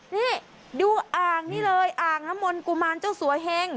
นี่ดูอ่างนี่เลยอ่างน้ำมนต์กุมารเจ้าสัวเฮง